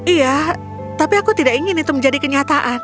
iya tapi aku tidak ingin itu menjadi kenyataan